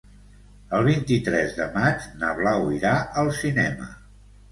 El vint-i-tres de maig na Blau irà al cinema.